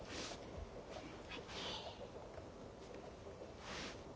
はい。